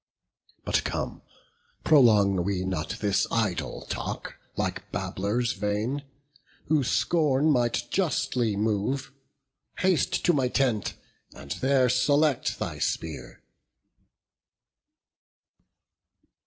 But come, prolong we not this idle talk, Like babblers vain, who scorn might justly move: Haste to my tent, and there select thy spear."